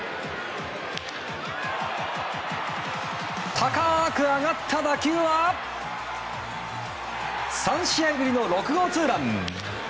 高く上がった打球は３試合ぶりの６号ツーラン。